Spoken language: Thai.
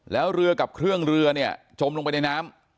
แล้วเรือกับเครื่องเรือเนี่ยจมลงไปในน้ำ